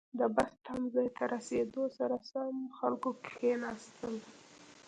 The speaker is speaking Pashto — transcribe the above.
• د بس تمځي ته رسېدو سره سم، خلکو کښېناستل.